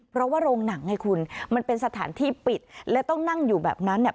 เพราะว่าโรงหนังไงคุณมันเป็นสถานที่ปิดและต้องนั่งอยู่แบบนั้นเนี่ย